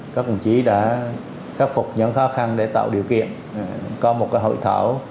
các đồng chí đã khắc phục những khó khăn để tạo điều kiện có một hội thảo